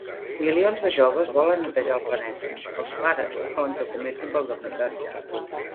Milions de joves volen netejar el planeta; els pares volen que comencin pel dormitori.